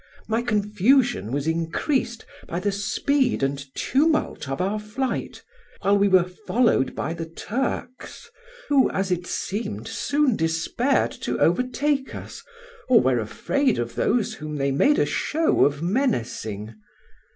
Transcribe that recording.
My confusion was increased by the speed and tumult of our flight, while we were followed by the Turks, who, as it seemed, soon despaired to overtake us, or were afraid of those whom they made a show of menacing.